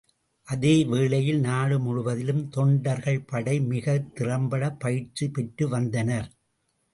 அதே வேளையில் நாடு முழுவதிலும் தொண்டர்படைகள் மிகத் திறம்படப் பயிற்சி பெற்றுவந்தனர்.